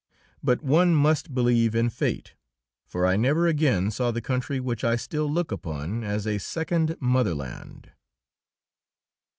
But one must believe in fate, for I never again saw the country which I still look upon as a second motherland.